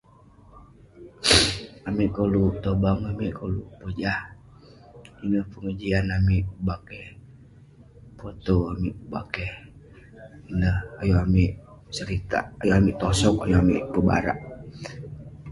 Amik koluk tobang, amik koluk pojah. Ineh pengejian amik pebakeh, potew, amik pebakeh. Ineh ayuk amik seritak, amik tosog, amik pebarak.